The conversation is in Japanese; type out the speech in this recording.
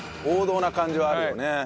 王道な感じはあるよね。